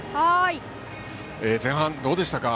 前半、どうでしたか？